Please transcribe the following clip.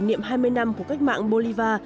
trong dịp kỷ niệm hai mươi năm của cách mạng bolívar